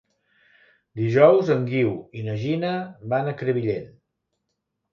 Dijous en Guiu i na Gina van a Crevillent.